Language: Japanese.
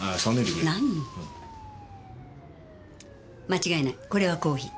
間違いないこれはコーヒー。